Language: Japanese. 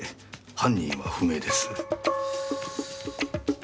犯人は不明です。